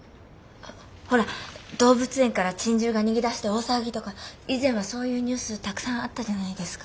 ほら動物園から珍獣が逃げ出して大騒ぎとか以前はそういうニュースたくさんあったじゃないですか。